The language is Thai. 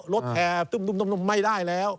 รถแทร่ไม่ได้แล้ว